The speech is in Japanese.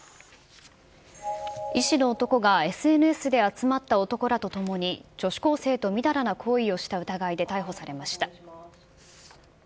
医師の男がＳＮＳで集まった男らと共に、女子高生とみだらな行為をした疑いで逮捕されました。